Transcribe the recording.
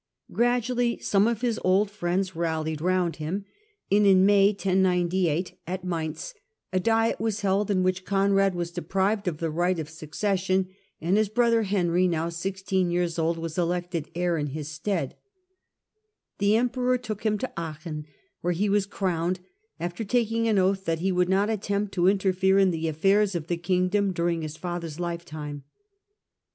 Gradually some of his old friends rallied round him, and in May 1098, at yGoogk The Last Years op Henry IV. 171 Mainz, a diet was held, in which Conrad was deprived of the right of succession, and his brother Henry, His son now sixteen years old, was elected heir in his crowned stead. The omporor took him to Aachon, where he was crowned, after taking an oath that he would not attempt to interfere in the aflfairs of the kingdom during bis father's lifetime.